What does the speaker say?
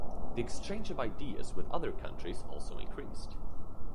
The exchange of ideas with other countries also increased.